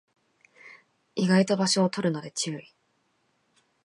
意外と場所を取るので注意